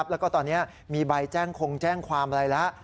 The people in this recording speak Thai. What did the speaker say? แล้วก็ตอนนี้มีใบแจ้งคงแจ้งความอะไรแล้ว